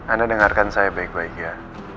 anda dengarkan saya baik baik ya